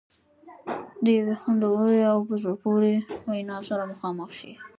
د یوې خوندورې او په زړه پورې وینا سره مخامخ شي.